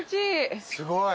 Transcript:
すごい。